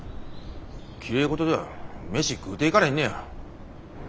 きれい事では飯食うていかれへんのや。